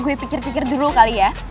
gue pikir pikir dulu kali ya